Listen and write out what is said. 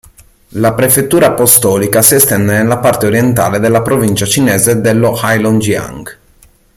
La prefettura apostolica si estende nella parte orientale della provincia cinese dello Heilongjiang.